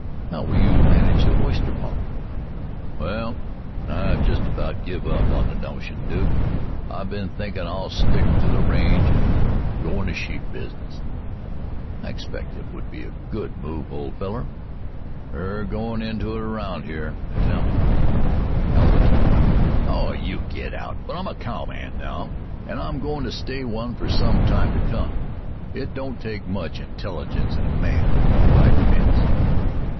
"How will you manage the oyster parlor?" "Well, I've just about give up that notion, Duke. I've been thinkin' I'll stick to the range and go in the sheep business." "I expect it would be a good move, old feller." "They're goin' into it around here, they tell me." "Alta tells you." "Oh, you git out! But I'm a cowman right now, and I'm goin' to stay one for some little time to come. It don't take much intelligence in a man to ride fence."